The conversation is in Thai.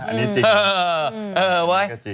อันนี้จริง